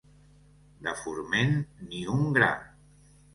De forment, ni un gra.